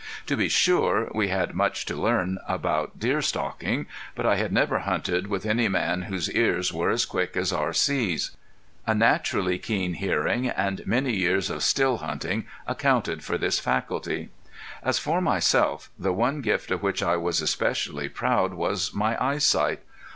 To be sure we had much to learn about deer stalking. But I had never hunted with any man whose ears were as quick as R.C.'s. A naturally keen hearing, and many years of still hunting, accounted for this faculty. As for myself, the one gift of which I was especially proud was my eyesight.